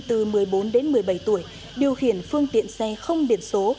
từ một mươi bốn đến một mươi bảy tuổi điều khiển phương tiện xe không biển số